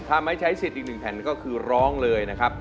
ถ้าไม่ใช้สิทธิ์อีกหนึ่งแผ่นก็คือร้องเลยนะครับ